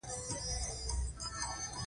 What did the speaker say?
د وطن یاد دې ارام له زړه لوټلی